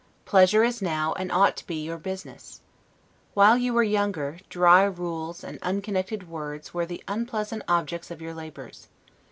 Pleasure is now, and ought to be, your business. While you were younger, dry rules, and unconnected words, were the unpleasant objects of your labors.